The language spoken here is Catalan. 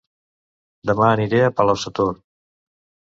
Dema aniré a Palau-sator